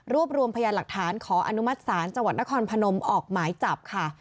รวมรวมพยานหลักฐานขออนุมัติศาลจังหวัดนครพนมออกหมายจับค่ะ